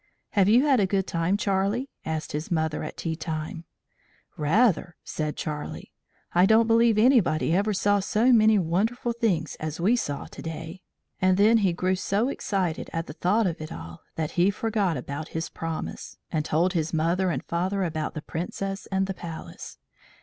"Have you had a good time, Charlie?" asked his mother at tea time. "Rather!" said Charlie. "I don't believe anybody ever saw so many wonderful things as we saw to day." And then he grew so excited at the thought of it all that he forgot about his promise, and told his mother and father about the Princess and the Palace.